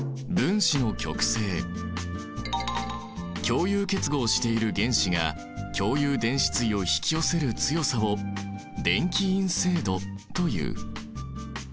共有結合している原子が共有電子対を引き寄せる強さを電気陰性度という。